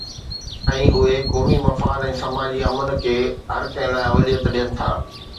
۽ اهي قومي مفاد ۽ سماجي امن کي هر ڪنهن لاءِ اوليت ڏين ٿا.